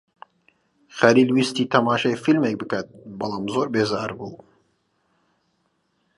خەلیل ویستی تەماشای فیلمێک بکات بەڵام زۆر بێزار بوو.